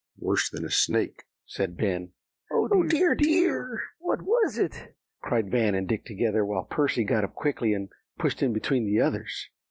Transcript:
"Worse than a snake," said Ben. "Oh, dear, dear! what was it?" cried Van and Dick together, while Percy got up quickly, and pushed in between the others.